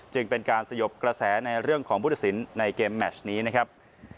จึงเป็นการสยบกระแสในเรื่องของพุทธศิลป์ในเกมแมชนี้นะครับ